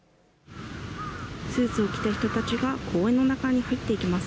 スーツを着た人たちが公園の中に入っていきます。